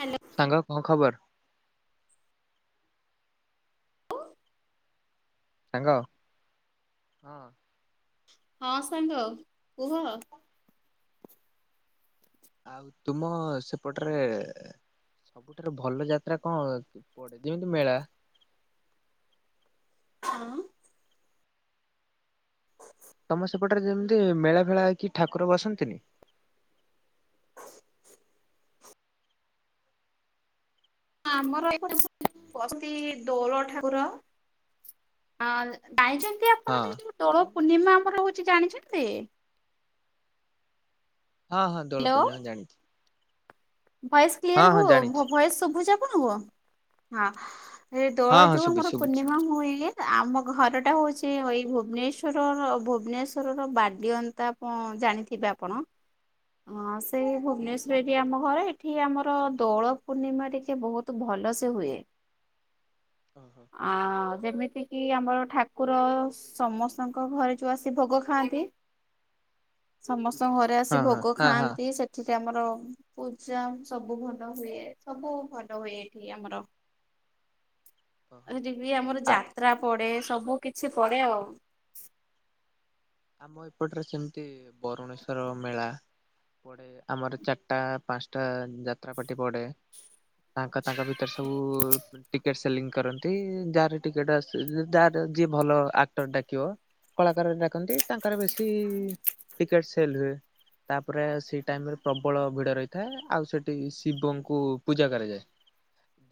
Hello. ସାଙ୍ଗ କଣ ଖବର? ସାଙ୍ଗ। ହଁ। ହଁ ସାଙ୍ଗ କୁହ। ଆଉ ତୁମ ସେପଟରେ ସବୁଠାରୁ ଭଲ ଯାତ୍ରା କଣ ପଡେ? ଯେମିତି ମେଳା। ହଁ [inaudible] ତମେ ସେପଟରେ ଯେମିତି ମେଳା ଭେଳା ହେଇକି ଠାକୁର ବସନ୍ତିନି। ଆମର ଏପଟେବସ୍ତି ଦୋଳ ଠାକୁର। ହଁ ଜାଣିଛନ୍ତି ହଁ ଆପଣ ଦୋଳ ପୂର୍ଣ୍ଣିମା ଆମର ହଉଛି ଜାଣିଛନ୍ତି? ହଁ ହଁ ଦୋଳ ହ୍ୟାଲୋ ପୂର୍ଣ୍ଣିମା ଜାଣିଛି। ଭଏସ ହଁ କ୍ଲିୟର ହଁ ହୁଉ ଜାଣିଛି ଭଏସ ଶୁଭୁଚି ଆପଣକୁ? ହଁ। ଏ ଦୋଳ ହଁ ହଁ ଯୋଉ ଶୁଭୁଛି ଆମର ଶୁଭୁଛି ପୂର୍ଣ୍ଣିମା ହୁଏ ଆମ ଘରଟା ହଉଛି ଏଇ ହୋଇ ଭୁବନେଶ୍ୱରର ଭୁବନେଶ୍ୱରର ବାଲିଅନ୍ତା ହଁ ଜାଣିଥିବେ ଆପଣ। ହଁ ସେ ଭୁବନେଶ୍ଵର ଏରିଆ ଆମ ଘର ଏ ଏଠି ଆମର ଦୋଳ ପୂର୍ଣ୍ଣିମା ଟିକେ ବହୁତ ଭଲ ସେ ହୁଏ। ଓହୋ ଆଁ ଯେମିତି କିି ଆମର ଠାକୁର ସମସ୍ତଙ୍କ ଘରେ ଯୋଉ ଆସି ଭୋଗ ଖାଆନ୍ତି ସମସ୍ତଙ୍କ ଘରେ ଆସି ହଁ ହଁ ଭୋଗ ହଁ ହଁ ଖାଆନ୍ତି। ସେଠି ଆମର ପୂର୍ବ ଚାମ ସବୁ ଭଲ ହୁଏ। ସବୁ ଭଲ ହୁଏ ଏଠି ଆମର। ଓହୋ। ଆଉ ଦିଦି ଆମର ଆ ଯାତ୍ରା ପଡେ। ସବୁ କିଛି ପଡେ ଆଉ। ଆମ ଏପଟରେ ସେମିତି ବରୁଣେଶ୍ଵର ମେଳା ଆମର ଚାରଟା ପାଞ୍ଚଟା ଯାତ୍ରାପାଟି ପଡେ। ତାଙ୍କ ତାଙ୍କ ଭିତରେ ସବୁ ଟିକେଟ ସେଲିଂ କରନ୍ତି ତି ଯାହାର ଟିକେଟ ଆସ- ଯାହର ଯିଏ ଭଲ ଆକ୍ଟର ଡାକିବ। କଳାକାର ଡାକନ୍ତି। ତାଙ୍କର ବେଶୀ ଟିକେଟ ସେଲ ହୁଏ। ତାପରେ ସେଇ ଟାଇମ ରେ ପ୍ରବଳ ଭିଡ ରହିଥାଏ। ଆଉ ସେଠି ଶିବଙ୍କୁ ପୂଜା କରାଯାଏ।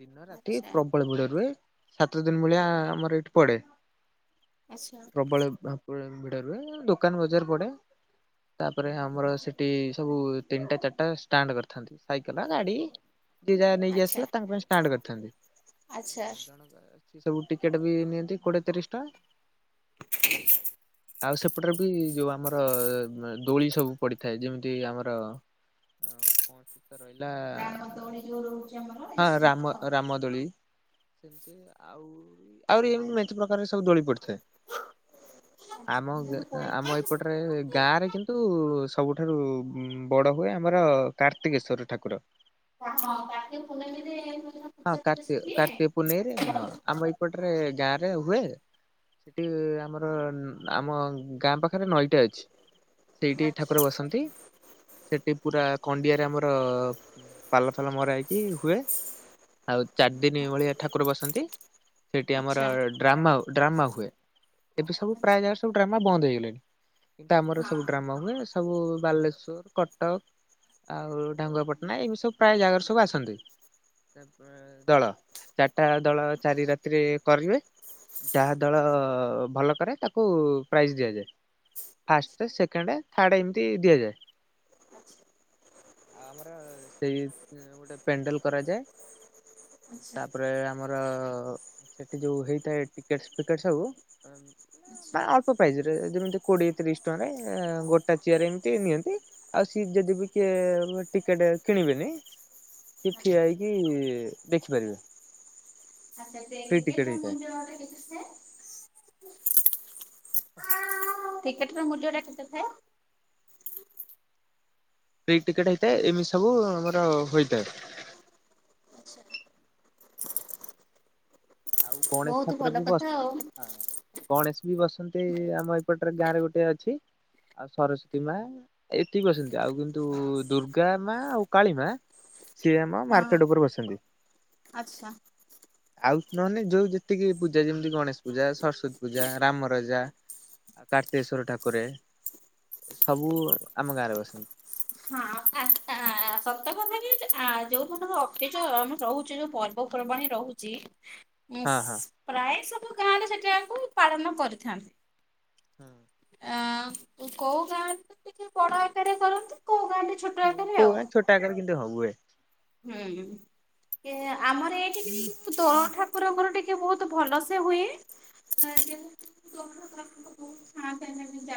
ଦିନ ରାତି ଆଚ୍ଛା ପ୍ରବଳ ଭିଡ ରୁହେ। ସାତ ଦିନ ଭଳିଆ ଆମର ଏଇଠି ପଡେ। ଆଚ୍ଛା ପ୍ରବଳ ଭାବେ ଭିଡ ରୁହେ। ଦୋକାନ ବଜାର ପଡେ। ତାପରେ ଆମର ସେଠି ସବୁ ତିନଟା ଚାରଟା ଷ୍ଟାଣ୍ଡ କରିଥାନ୍ତି।। ସାଇକେଲ ଗାଡି ଯିଏ ଯାହା ନେଇକି ଆଚ୍ଛା ଆସିଲା ତାଙ୍କ ପାଇଁ ଷ୍ଟାଣ୍ଡ କରିଥାନ୍ତି। ଆଚ୍ଛା ସେ ସବୁ ଟିକେଟ ବି ନିଅନ୍ତି କୋଡିଏ ତିରିଶ ଟଙ୍କା। ଆଉ ସେପଟରେ ବି ଯୋଉ ଆମର ଏ- ଜ ଦୋଳି ସବୁ ପଡିଥାଏ। ଯେମିତି ଆମର ଆଉ କଣସିଏ ତ ରହିଲା ଦୋଳ ହଉଛି ଆମର ହଁ ଏସବୁ ତ ରାମ ହଁ ରାମଦୋଳି ସେମିତି ଆଉ ଆହୁରି ମେଞ୍ଚେ ପ୍ରକାରରେ ସବୁ ଦୋଳି ପଡି ଥାଏ। ଆମ ଗା- ଆମ ଏପଟରେ ଗାଁ ରେ କିନ୍ତୁ ସବୁଠାରୁ ବଡ ହୁଏ ଆମର କାର୍ତ୍ତିକେଶ୍ୱର ଠାକୁର। କା ହଁ କାର୍ତିକ ପୂର୍ଣମିରେ ସେଦିନ ହଁ କାର୍ତ୍ତିଅ କାର୍ତ୍ତିକ ପୂନନେଁଇରେ ହଁ ଆମ ଏ ପଟରେ ଗାଁ ରେ ହୁଏ। ସେଠି ଆମର ଆମ ଗାଁ ପାଖରେ ନଈ ଗୋଟେ ଅଛି। ସେଇଠି ଆଚ୍ଛା ଠାକୁର ବସନ୍ତି। ସେଠି ପୁରା କଣ୍ଡିଆରେ ଆମର ପାଲ ଫାଲ ମର ହେଇକି ହୁଏ। ଆଉ ଚାରି ଦିନ ଭଳିଆ ଠାକୁର ବସନ୍ତି ସେଠି ଆମର ଆଚ୍ଛା ଡ୍ରାମା ଡ୍ରାମା ହୁଏ। ଏବେ ସବୁ ପ୍ରାୟ ଆଚ୍ଛା ଯାଗ ସବୁ ଡ୍ରାମା ବନ୍ଦ ହେଇଗଲେଣି କିନ୍ତୁ ଆମର ସବୁ ହଁ ଡ୍ରାମା ହୁଏ। ସବୁ ବାଲେଶ୍ଵର କଟକ ଆଉ ଢାଙ୍ଗୁଆପାଟଣା ଏମିତି ସବୁ ପ୍ରାୟ ଜାଗାରେ ସବୁ ଆସନ୍ତି। ତାପ ଦଳ ଚାରିଟା ଦଳ ଚାରି ରାତିରେ କରିବେ ଯାହା ଦଳ ଭଲ କରେ ତାକୁ ପ୍ରାଇଜ ଦିଆଯାଏ। ଫାଷ୍ଟ ସେକେଣ୍ଡ ଥାର୍ଡ ଏମିତି ଦିଆଯାଏ। ଆଚ୍ଛା ଆଉ ଆମର ସେଇ ଗୋଟେ ପେଣ୍ଡେଲ କରାଯାଏ। ଆଚ୍ଛା ତାପରେ ଆମର ସେଠି ଯୋଉ ହେଇଥାଏ। ଟିକେଟ ଫିକେଟ ସବୁ ଆଚ୍ଛା ନାଁ ଅଳ୍ପ ପ୍ରାଇଜିରେ ଯେମିତି କୋଡିଏ ତିରିଶ ଟଙ୍କାରେ ଗୋଟା ଚିଆର ଏମିତି ନିଅନ୍ତି। ଆଉ ସିଏ ଯଦି ବି କିଏ ଟିକେଟ କିଣିବେନି ସେ ଠିଆ ଆଚ୍ଛା ହେଇକି କି ଦେଖିପାରିବେ। ଆଚ୍ଛା ସେ ଫ୍ରି ଟିକେଟ ଟିକେଟର ହେଇଥାଏ ମୁଁ ଯୁଆଡ଼େ ଦେଖିଥାଏ। ଟିକେଟର ମୂଲ୍ୟଟା କେତେ ଥାଏ? ଫ୍ରି ଟିକେଟ ହେଇଥାଏ। ଏମିତି ସବୁ ଆମର ହୋଇଥାଏ। ଆଉ ଗଣେଶ ବହୁତ ଠାକୁର ଭଲ ବି ବସ୍ କଥା ଆଉ। ହଁ। ଗଣେଶ ବି ବସନ୍ତି। ଆମ ଏପଟରେ ଗାଁରେ ଗୋଟେ ଅଛି। ଆଉ ସରସ୍ଵତୀ ମା ଏତିକି ବସନ୍ତି। ଆଉ କିନ୍ତୁ ଦୁର୍ଗା ମା ଆଉ କାଳୀ ମା ସିଏ ଆମ ହଁ ମାର୍କେଟ ଉପରେ ବସନ୍ତି। ଆଚ୍ଛା ଆଉ ନହେନେ ଯୋଉ ଯେତିକି ପୂଜା ଯେମିତି ଗଣେଶ ପୂଜା ସରସ୍ଵତୀ ପୂଜା ରାମ ରାଜା ଆଉ କାର୍ତ୍ତିେଶ୍ଵର ଠାକୁରେ ଏ ସବୁ ଆମ ଗାଁରେ ବସନ୍ତି। ହଁ ଆଚ୍ଛା ସତ କଥା କି? କିଛି ଆ ଯୋଉ କଥାକୁ ଅଟିକିଚ ଆମେ ରହୁଛି ଯୋଉ ପର୍ବପର୍ବାଣି ରହୁଚି। ହଁ ଆସ୍ ହଁ। ପ୍ରାୟ ସବୁ ଗାଁରେ ସେଟାକୁ ପାଳନ କରିଥାନ୍ତି। ହଁ ଆଁ ତୁ କୋଉ ଗାଁରେ ତ ଟିକେ ବଡ଼ ଆକାରରେ କରନ୍ତି। କୋଉ ଗାଁରେ ଛୋଟ ହଉ ଆକାରରେ କୋଉ ଆଉ। ଗାଁ ଛୋଟ ଆକାରରେ କେମିତି ହୁଏ। ହୁଁ କେଁ ଆମର ଏଇଠି କିନ୍ତୁ ଦୋଳ ଠାକୁରଙ୍କର ଟିକେ ବହୁତ ଭଲ ସେ ହୁଏ। [unintelligible] ଏଇ ଯେ ଦୋଳ ଟାଇମ୍ କିନ୍ତୁ ବହୁତ ଭଲ ଭାବରେ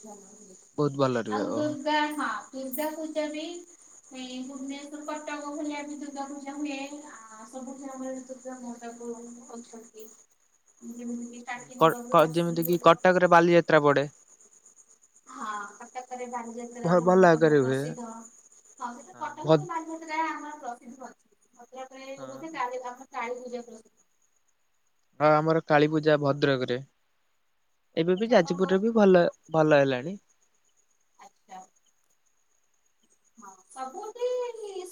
[unintelligible] ବହୁତ ଭଲ ହୁଏ। ଓହୋ ଯା ଖାଆ ପୂଜା ଫୂଜା ବି ହେ ଭୁବନେଶ୍ୱର କଟକ ଭଳିଆ ବି ଦୁର୍ଗା ପୂଜା ହୁଏ। ଆଉ ସବୁଠାରେ ଦୁ ପୂଜା ମୋ ସାଙ୍ଗକୁ ଅଛନ୍ତି। ମୁଁ କେମିତି କ କ ଯେମିତି କଟକରେ ବାଲିଯାତ୍ରା ପଡ଼େ। ହଁ କଟକରେ ବାଲିଯାତ୍ରାରେ ଭଲ ରହୁଚି ଆକାରରେ ହୁଏ। ପ୍ରସିଦ୍ଧ। ହଁ ସେ ହଁ କଟକ ଭଦ୍ ତ ବାଲି ଗୋଟେ ଗାଁ ଆମର ପ୍ରସିଦ୍ଧ ଅଛି। ଭଦ୍ରକରେ ହଁ ବୋଧେ କାଳୀ ଧାମ କାଳୀ ପୂଜା ପ୍ରସିଦ୍ଧ। ହଁ ଆମର କାଳୀପୂଜା ଭଦ୍ରକରେ ଏବେ ବି ଆଚ୍ଛା ଆପଣଙ୍କ ଯାଜପୁରରେ ବି ଭଲ ଭଲ ହେଲାଣି। ଆଚ୍ଛା ହଁ ସବୁଠି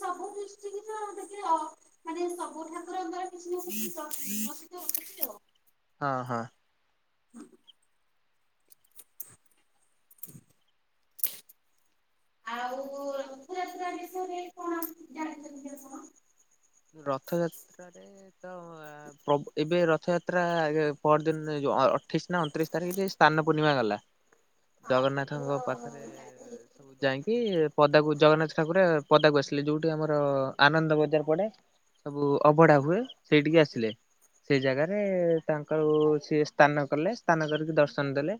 ସବୁ ଦୃଷ୍ଟିକିରୁ ଟିକେ ଆ ମାନେ ସବୁ ଠାକୁରଙ୍କର କିଛି ନା କିଛି [unintelligible] ହଁ ହଁ ହୁଁ ଆଉ ରଥଯାତ୍ରା ବିଷୟରେ କଣ କିଛି ଜାଣିଚନ୍ତି କଣ? ରଥଯାତ୍ରାରେ ତ ପ୍ରଭ୍ ଏବେ ରଥଯାତ୍ରା ପହଁର ଦିନ ଅଠେଇଶି ନା ଅଣତିରିଶି ତାରିଖରେ ସ୍ନାନ ପୂର୍ଣ୍ଣିମା ଗଲା। ହଁ ଠାକୁର ଜଗନ୍ନାଥଙ୍କ ପାଖେରେ ଗାଧେଇକି ଯାଇଁକି ପଦାକୁ ଜଗନ୍ନାଥ ଠାକୁରେ ପଦାକୁ ଆସିଲେ ଯୋଉଠି ଆମର ଆନନ୍ଦ ବଜାର ପଡେ। ସବୁ ଅବଢା ହୁଏ ସେଇଠିକି ଆସିଲେ। ସେଇ ଜାଗାରେ ତାଙ୍କଉ ସିଏ ସ୍ତାନ କଲେ ସ୍ତାନ କରିକି ଦର୍ଶନ ଦେଲେ।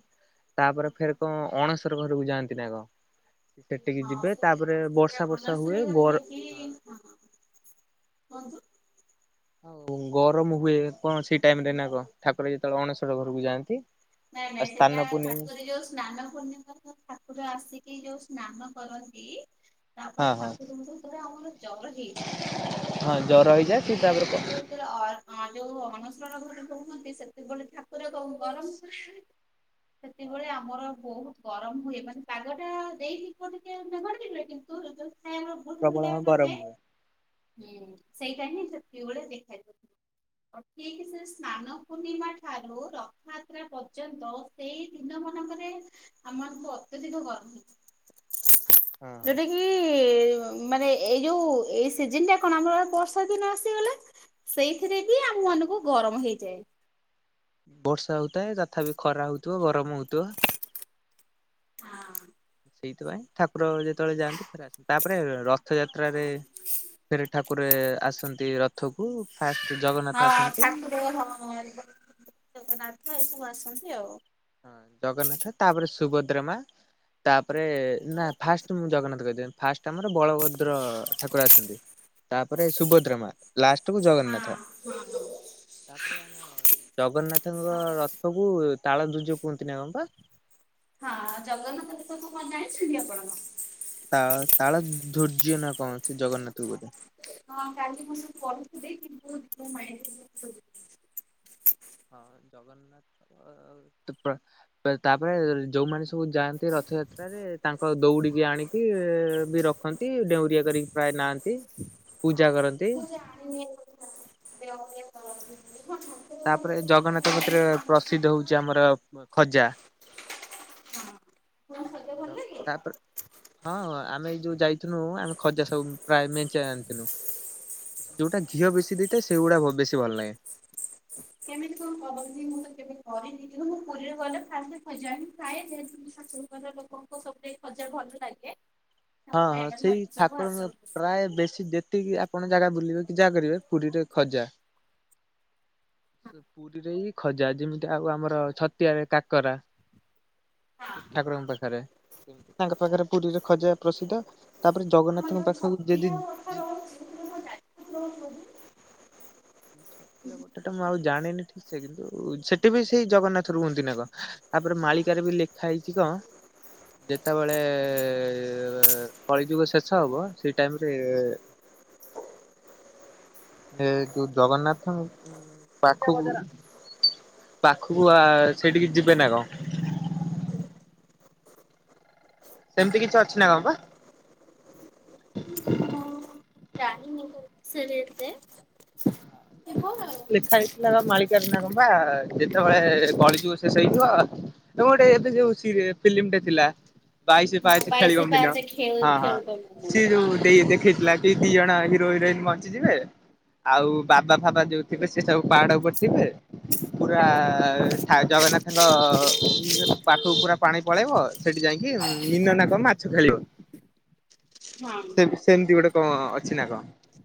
ତାପରେ ଫେରେ କଣ ଅଣଶର ଘରୁକୁ ଯାଆନ୍ତି ନା କଣ ସେ ସେଠିକି ହଁ ଯିବେ। ସେଇଟା ତାପରେ ସେଟା ବର୍ଷା ବର୍ଷା ହୁଏ ମନସୁର ଘରେ ଗର ଯାଇକି କୁହନ୍ତୁ। ଆଉ ଗରମ ହୁଏ କଣ ସେଇ ଟାଇମ ରେ ନା କଣ ଠାକୁର ଯେତେବଳେ ଅଣଶର ଘରୁକୁ ଯାଆନ୍ତି। ନାଇଁ ଆଉ ନାଇଁ ସ୍ଥାନ ସେଟା ପୁନି ଖାସ୍ ହଁ କରି ଯୋଉ ସ୍ନାନ ପୂର୍ଣ୍ଣିମା। କୁ ଠାକୁର ଆସିକି ଯୋଉ ସ୍ନାନ କରନ୍ତି। ତାପରେ ହଁ ଠାକୁରଙ୍କୁ ତରେ ଆମର ଜର ହେଇଚି ହଁ ଜର ସେ ହେଇଯାଏ ଠାକୁର ତାପରେ ଯାଇଁକି ଯେ ଯେତେବେଳେ ଅ ଅ ଯୋଉ ଅଣସର ଘରେ ରୁହନ୍ତି ସେତେବେଳେ ଠାକୁର ଙ୍କୁ ଗରମ। ସେତିକିବେଳେ ଆମର ବୋହୁତ୍ ଗରମ ହୁଏ ମାନେ ପାଗଟା ଦେଇଥିବ ଟିକେ। [unintelligible] [unintelligible] ପ୍ରବଳ ହଁ ଗରମ ହୁଏ। ହୁଁ ସେଇଟା ହିଁ ସେତିକିବେଳେ ଦେଖାଯିବ। ଅ ଠିକ୍ ସେ ସ୍ନାନ ପୂର୍ଣ୍ଣିମା ଠାରୁ ରଥଯାତ୍ରା ପ ର୍ଯ୍ୟନ୍ତ ସେଇ ଦିନ ମାନଙ୍କରେ ଆମମାନଙ୍କୁ ଅତ୍ୟଧିକ ଗରମ ହୁଏ। ଯୋଉଟା କି। [inaudible] ଏ ମାନେ ଏ ଏଇ ଯୋଉ ଏଇ ସିଜିନ୍ ଟା କଣ ଆମର ବର୍ଷା ଦିନ ଆସିଗଲା। ସେଇଥିରେ ବି ଆମମାନଙ୍କୁ ଗରମ ହେଇଯାଏ। ବର୍ଷା ହୋଉଥାଏ ତଥାବି ଖରା ହୋଉଥିବ ଗରମ ହୋଉଥିବ। ସେଇଥିପାଇଁ ଠାକୁର ଯେତବଳେ ଯାଆନ୍ତି ଫେରେ ଆସନ୍ତି ତାପରେ ରଥଯାତ୍ରାରେ। ଫେରେ ଠାକୁରେ ଆସନ୍ତି ରଥ କୁ। ଫାଷ୍ଟେ ଜ ହଁ ଠାକୁର ହଁ ଜଗନ୍ନାଥ ଏସବୁ ଆସନ୍ତି ଆଉ। ହଁ ଜଗନ୍ନାଥ ତାପରେ ସୁଭଦ୍ରା ମା। ତାପରେ ନା ଫାଷ୍ଟ ମୁଁ ଜଗନ୍ନାଥ କହିଦେଲି ଫାଷ୍ଟ ଆମର ବଳଭଦ୍ର ଠାକୁର ଆସନ୍ତି। ତାପରେ ସୁଭଦ୍ରା ମା ଲାଷ୍ଟେକୁ ଜଗନ୍ନାଥ। ତାପରେ ଆମ ଜଗନ୍ନାଥଙ୍କ ରଥକୁ ତାଳଧ୍ୱଜ କୁହନ୍ତି ନା କଣ ପା? ହଁ ଜଗନ୍ନାଥ ବେସକୁ କଣ ଜାଣିଛନ୍ତି ଆପଣ? ତା ତାଳଧ୍ୱର୍ଯ୍ୟ ନା କଣ ସେ ଜଗନ୍ନାଥ ଙ୍କୁ ବୋଧେ। ହଁ କାଲି ମୁଁ ସବୁ ପଢୁଥିଲି କିନ୍ତୁ [unintelligible] ହଁ ଜଗନ୍ନାଥଙ୍କର। [unintelligible] ଏ ତାପରେ ଯୋଉମାନେ ସବୁ ଯାଆନ୍ତି ରଥଯାତ୍ରାରେ ତାଙ୍କ ଦୌଡିକି ଆଣିକି ବି ର ଖନ୍ତି ଡେଉଁରିଆ କରିକି ପ୍ରାୟେ ନାଆନ୍ତି ପୂଜା କରନ୍ତି। [unintelligible] ତାପରେ ଜଗନ୍ନାଥ କତିରେ ର ପ୍ରସିଦ୍ଧ ହୋଉଚି ଆମର ଖଜା। ହଁ ଖଜା ହାଲୋ ତାପରେ। ହଁ ଆମେ ଏଇ ଯୋଉ ଯାଇଥିନୁ ଆମେ ଖଜା ସବୁ ପ୍ରାୟେ ମେଞ୍ଚେ ଆଣିଥିନୁ। ଯୋଉଟା ଘିଅ ବେଶି ଦେଇଥାଏ ସେଗୁଡା ବ ବେଶୀ ଭଲ ଲାଗେ। [unintelligible] ମୁଁ ତ କେବେ କରିନି କିନ୍ତୁ ମୁଁ ପୁରୀରେ ଗଲେ ଫାଷ୍ଟେ ଖଜା ହିଁ ଖାଏ ଯେହେତୁ ମୋ ଶାଶୁଘର ଲୋକ। ଙ୍କୁ ସବୁଠେଇ ଖଜା ଭଲ ଲାଗେ। ହଁ ତାପରେ ହଁ ଆମେ ସେଇ ଧରିକି ସବୁ ଆସୁ। ଠାକୁରଙ୍କ ହଁ ପ୍ରାୟେ ବେଶୀ ଯେ ସେଠିକି ଆପଣ ଜାଗା ବୁଲିବେ କି ଯାହା କରିବେ ପୁରୀରେ ଖଜା ପୁରୀରେ ହିଁ ଖଜା ଯେମିତି ଆଉ ଆମର ଛତିଆରେ କାକରା ସେ ଠାକୁର ଙ୍କ ପାଖରେ ତି ତାଙ୍କ ପାଖରେ ପୁରୀରେ ଖଜା ପ୍ରସିଦ୍ଧ ତାପରେ ଆମର ଜଗନ୍ନାଥଙ୍କ ଯୋଉ ପାଖକୁ ଯଦି ଛତିଆ କଥା ଯି ରହୁଛି ମୁଁ ଛତିଆ ବଟା ଟା ମୁଁ ଆଉ ଜାଣିନି ଠିକସେ କିନ୍ତୁ ସେଠି ବି ସେଇ ଜଗନ୍ନାଥ ର ହୁଅନ୍ତି ନା କଣ। ତାପରେ ମାଳିକାରେ ବି ଲେଖା ହେଇଚି କଣ ଯେତେବେଳେ ଏ -କଳିଯୁଗ ଶେଷ ହବ ସେଇ ଟାଇମରେ ଏ ଏ ଯଉ ଜଗନ୍ନାଥଙ୍କ ପାଖକୁ ପାଖକୁ ସେଇଠିକି ଯିବେ ନା କଣ? ସେମିତି କିଛି ଅଛି ନା କ ପା? [unintelligible] ସେ ରେଟ ଯାଏଁ ହଁ ଲେଖା ହେଇଥିଲା ମାଳିକାର ନା କଣ ବା ଯେତେବେଳେ କଳିଯୁଗ ଶେଷ ହେଇଯିବ [unintelligible] ଗୋଟେ ଏମିତି ଯୋଉ ସି ଫିଲ୍ମ ଟା ଥିଲା। ବାଇସି ପାହାଚେ ଖେଳିବ ବାଇଶି ମୀନ ପାହାଚ ଖେଳ ହଁ ହଁ ଖେଳୁଛ ହଁ ସିଏ ଯୋଉ ହଁ ଦେଇ ଦେଖେଇଥିଲା ସେଇ ଦି ଜଣ ହିରୋ ହିରୋଇନ ବଞ୍ଚିଯିବେ ଆଉ ବାବା ଭାବା ଯୋଉ ଥିବେ ସେ ସବୁ ପାହାଡ ଉପରେ ଥିବେ ପୁରା ଆ ଜଗନ୍ନାଥଙ୍କ ପାଖକୁ ପୁରା ପାଣି ପଳେଇବ ସେଠି ଯାଇକି ମିନ ନା କଣ ମାଛ ଖେଳିବ। ସେମିତି ଗୋଟେ କଣ ଅଛି ନା କଣ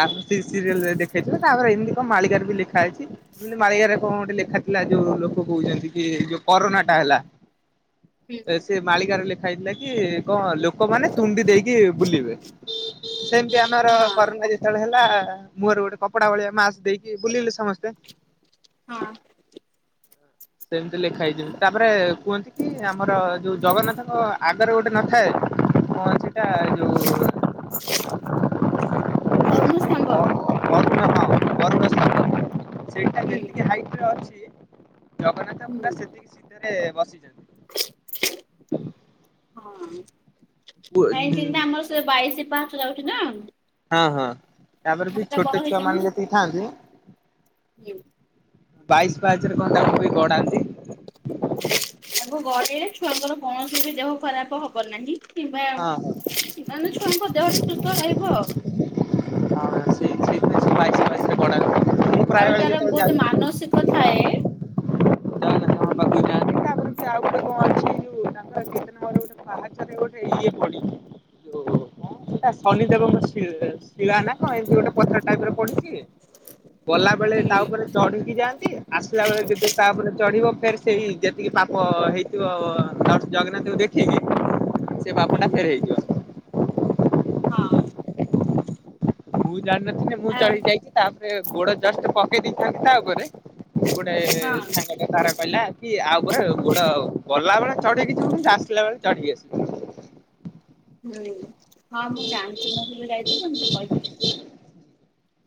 ତାପ୍ତି ସିରିଏଲ ରେ ଦେ ହେଇଥିବ ତାପରେ ଏମିତି କଣ ମାଳିକାରେ ବି ଲେଖା ହେଇଚି। ଯେମିତି ମାଳିକା ରେ କଣ ଗୋଟେ ଲେଖା ଥିଲା ଯୋଉ ଲୋକ କହୁଛନ୍ତି କି ଯୋଉ କରୋନା ଟା ହେଲା ହୁଁ ସେ ମାଳିକାରେ ଲେଖା ହେଇଥିଲା କି କଣ ଲୋକମାନେ ତୁଣ୍ଡି ଦେଇକି ବୁଲିବେ ସେମିତି ଆମର ହଁ କରୋନା ଯେତେବେଳେ ହେଲା ମୋର ଗୋଟେ କପଡା ଭଳିଆ ମାସ୍କ ଦେଇକି ବୁଲିଲେ ସମସ୍ତେ ହଁ। ସେମିତି ଲେଖା ହେଇଜି ତାପରେ କୁହନ୍ତି କି ଆମର ଯୋଉ ଜଗନ୍ନାଥଙ୍କ ଆଗରେ ଗୋଟେ ନଥାଏ କଣ ସେଟା ଯଉ। ଅରୁଣସ୍ତମ୍ଭ। ଅରୁଣ ହଁ ଅରୁଣସ୍ତମ୍ଭ ହଁ ସେଇଟା ହୁଁ ଯେତିକି ହାଇଟରେ ଅଛି ଜଗନ୍ନାଥ ହୁଁ ପୁରା ସେତିକି ସିଧା ରେ ବସିଛନ୍ତି। ହଁ କାହିଁତି ନା ପୁଅ ଆମର ସେ ବାଇଶି ପାହାଚ ଯାଉଛି ନା ହଁ ହଁ ତାପରେ ବି ସେଟା ବଡ ଛୋଟ ଛୁଆ ମାନେ ହେଇଛନ୍ତି। ଯେତିକି ଥାଆନ୍ତି [unintelligible] ବାଇସି ପାହାଚ ରେ କଣ ତାଙ୍କୁ ବି ଗଢାନ୍ତି। ତାଙ୍କୁ ଗଡେଇଲେ ଛୁଆଙ୍କର କୌଣସି ବି ଦେହ ଖରାପ ହବ ନାହିଁ କିମ୍ବା ହଁ ମାନେ ଛୁଆଙ୍କ ଦେହ ସୁସ୍ଥ ରହିବ। ହଁ ସେ ସେଥିପାଇଁ ବାଇଶି ପାହାଚ ରେ ଗଡ଼ାନ୍ତି। ଆଉ ଯାର ବହୁତ ମାନସିକ ଥାଏ ଆ ପାଖକୁ ଯନ୍ତି ତା ଆଉ ଗୋଟେ କଣ ଅଛି ଯୋଉ ତାଙ୍କର କୀର୍ତ୍ତନ ଘରେ [unintelligible] ଗୋଟେ ଏଇ ପଡିଚି ଆ ଶନି ଦେବ ସି ଶିଳା ନା କ ଏମିତି ଗୋଟେ ପଥର ଟାଇପରେ ପଡିଚି ଗଲା ବେଳେ ହୁଁ ତା ଉପରେ ଚଢିକି ଯାଆନ୍ତି ଆସିଲା ବେଳେ ଯଦି ତାପରେ ଚଢିବ ଫେର ସେଇ ଯେତିକି ପାପ ହେଇଥିବ ଜଗନ୍ନାଥଙ୍କୁ ଦେଖ ଖିକି ସେ ହୁଁ ପାପ ଟା ଫେରେଇଦିଅନ୍ତି। ହଁ। ମୁଁ ଜାଣିନଥିଲି ମୁଁ ଆ ଚଳି ଯାଇଛି ତାପରେ ଗୋଡ ଜଷ୍ଟ ପକେଇ ଦେଇଥାନ୍ତି ତା ଉପରେ ଗୋଟେ ହଁ ସାଙ୍ଗଟେ ତାର କହିଲା କି ଆଉପରେ ଗୋଟେ ଗଲା ବେଳେ ଚଢେଇକି ଯିବ ଆସିଲା ବେଳେ ଚଢିକି ଆସିବି। ହୁଁ ହଁ ମୁଁ ଜାଣିଚି ମୁଁ [unintelligible] ଯାଇଥିଲି ମୁଁ ତ କହିଥିଲି।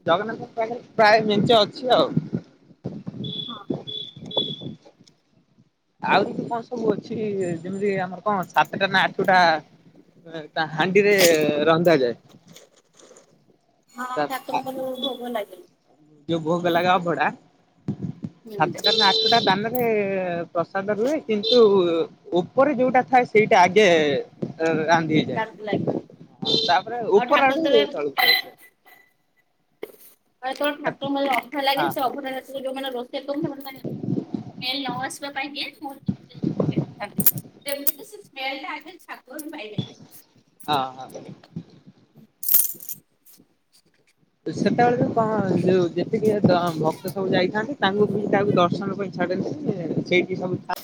ଜଗନ୍ନାଥ ପାଖରେ ପ୍ରାୟ ମେଞ୍ଚେ ଅଛି ଆଉ। ହଁ। ଆଉ ଯି କଣ ସବୁ ଅଛି ଯେମିତି ଆମର କଣ ସାତଟା ନା ଆଠଟା ତା ହାଣ୍ଡିରେ ରନ୍ଧାଯାଏ। ହଁ ତା ଠାକୁରଙ୍କର ଭୋଗ ଲାଗେ। ଯୋଉ ଭୋଗ କଲାଗେ ଅଭଡା ହୁଁ ସାତ ନାଟଟା ଦାନରେ ପ୍ରସାଦ ରୁହେ କିନ୍ତୁ ଉପରେ ଯୋଉଟା ଥାଏ ସେଇଟା ଆଗେ ରା ଡାକ ଲାଗେ [unintelligible] ତାପରେ ଆଉ ଉପର ଠାକୁର ଆଡୁ ଯେତେବେଳେ ତଳକୁ ପଳେଇଆସେ। ଆ ତୋର ଠାକୁର ମ ଅଠା ଲାଗେ ହଁ ସେ ଅଭଡା ହାଟ ରେ ଯୋଉମାନେ ରୋଷେଇ [unintelligible] ହେ ନ ଆସିବା ପାଇଁକ ମୁ ଯେମତି ସେ ସ୍ମେଲ ଟା ଆଗେ ଠାକୁର ହିଁ ପାଇବେ। ହଁ ହଁ। ହୁଁ। ସେତେବେଳେ ବି କଣ ଯୋ ଯେତିକି ଭକ୍ତ ସବୁ ଯାଇଥାନ୍ତି ତାଙ୍କୁ ବି ତାକୁ ଦର୍ଶନ ପାଇଁ ଛା ସେଇଠି ସବୁ